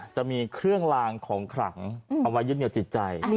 จะมีเครื่องลางของขลังเอาไว้ยึดเหนียวจิตใจ